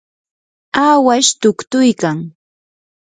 awash tuktuykan.